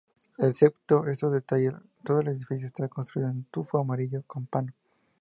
Excepto estos detalles, todo el edificio está construido en tufo amarillo campano.